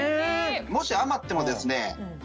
もし余ってもですね